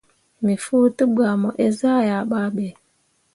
Me fuu degba mo eezah yah babe.